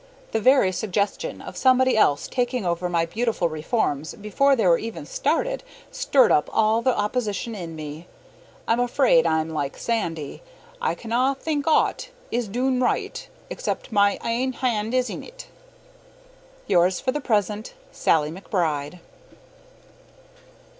The very suggestion of somebody else taking over my own beautiful reforms before they were even started, stirred up all the opposition in me. I'm afraid I'm like Sandy I canna think aught is dune richt except my ain hand is in 't. Yours, for the present, SALLIE McBRIDE.